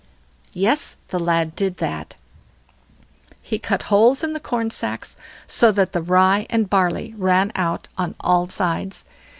Yes! the lad did that; he cut holes in the corn sacks, so that the rye and barley ran out on all sides.